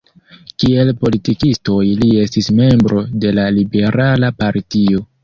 Kiel politikistoj li estis membro de la liberala partio.